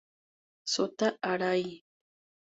Shota Arai